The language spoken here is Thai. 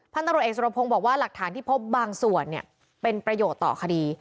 ตำรวจเอกสุรพงศ์บอกว่าหลักฐานที่พบบางส่วนเป็นประโยชน์ต่อคดี